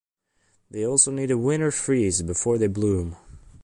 They also need a winter freeze before they bloom.